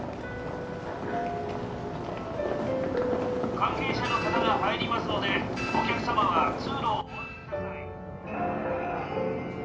関係者の方が入りますのでお客様は通路をお開けください